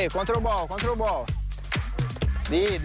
โคตรบอล